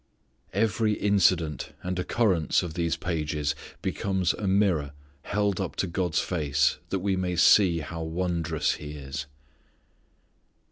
Every incident and occurrence of these pages becomes a mirror held up to God's face that we may see how wondrous He is.